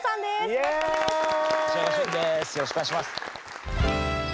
よろしくお願いします。